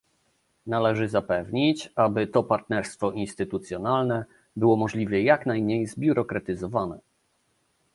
Należy zapewnić, aby to partnerstwo instytucjonalne było możliwie jak najmniej zbiurokratyzowane